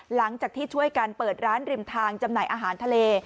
หลังจากที่ช่วยกันเปิดร้านริมทางจำหน่ายอาหารทะเล